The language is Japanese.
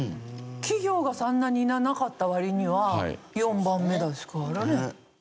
企業がそんなになかった割には４番目ですからね。